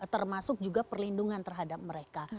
termasuk juga perlindungan terhadap mereka